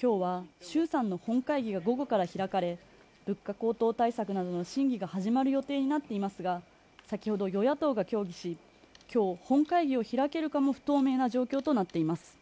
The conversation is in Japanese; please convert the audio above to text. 今日は衆参の本会議が午後から開かれ物価高騰対策などの審議が始まる予定になっていますが先ほど与野党が協議し今日本会議を開けるかも不透明な状況となっています